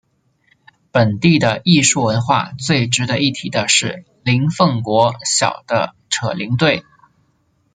本地的艺术文化最值得一提的是林凤国小的扯铃队。